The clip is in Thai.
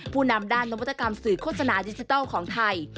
นำด้านนวัตกรรมสื่อโฆษณาดิจิทัลของไทย